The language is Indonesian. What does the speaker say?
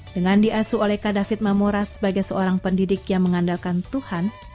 dengan diasuh oleh kak david mamorad sebagai seorang pendidik yang mengandalkan tuhan